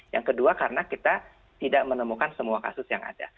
yang kedua karena kita tidak menemukan semua kasus yang ada